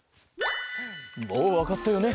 もうわかったよね？